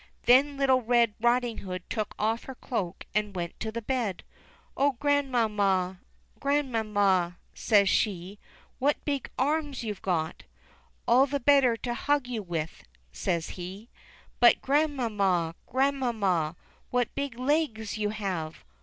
Then little Red Riding Hood took off her cloak and went to the bed. *'0h, Grandmamma, Grandmamma,'* says she, "what big arms you've got !" "All the better to hug you with," says he. "But Grandmamma, Grandmamma, what big legs you have